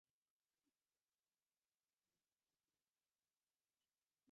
শিক্ষামন্ত্রী নুরুল ইসলাম নাহিদ আজ মঙ্গলবার প্রথম আলোকে এ তথ্য জানান।